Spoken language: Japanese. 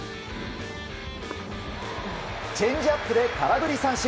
チェンジアップで空振り三振。